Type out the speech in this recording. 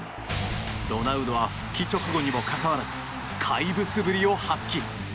ロナウドは復帰直後にもかかわらず怪物ぶりを発揮。